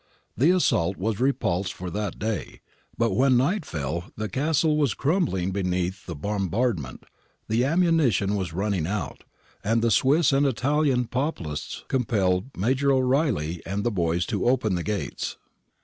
The assault was repulsed for that day, but when night fell the castle was crumbling beneath the bombard ment, the ammunition was running out, and the Swiss and Italian Papalists compelled Major O'Reilly and the boys to open the gates.